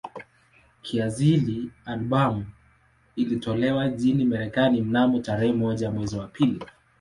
Kiasili albamu ilitolewa nchini Marekani mnamo tarehe moja mwezi wa pili